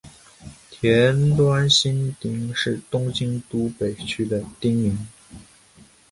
田端新町是东京都北区的町名。